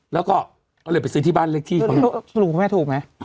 แล้วก็เขาเลยไปซื้อที่บ้านเล็กที่สูงไม่ถูกไหมอ่ะ